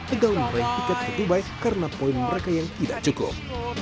gagal meraih tiket ke dubai karena poin mereka yang tidak cukup